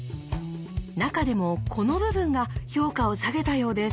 中でもこの部分が評価を下げたようです。